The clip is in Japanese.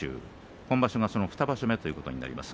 今場所は２場所目ということになります。